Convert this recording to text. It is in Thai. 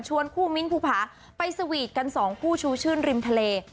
คู่มิ้นภูผาไปสวีทกันสองคู่ชูชื่นริมทะเล